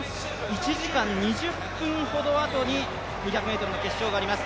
１時間２０分ほどあとに２００ｍの決勝があります。